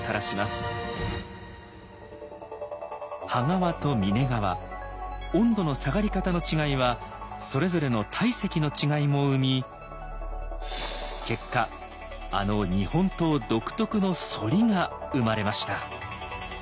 刃側と峰側温度の下がり方の違いはそれぞれの体積の違いも生み結果あの日本刀独特の反りが生まれました。